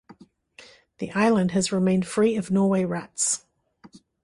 The island has remained free of Norway rats.